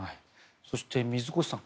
そして水越さん